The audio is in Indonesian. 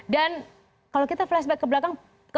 dan kalau kita flashback ke belakang